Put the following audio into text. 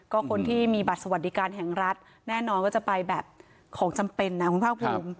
ก็คนที่มีบัตรสวัสดิการแห่งรัฐแน่นอนว่าจะไปแบบของจำเป็นนะคุณภาคภูมิ